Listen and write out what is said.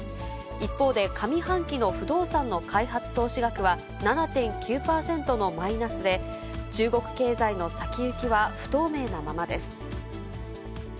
一方で、上半期の不動産の開発投資額は７．９％のマイナスで、中国経済の先行きは不透明なままです。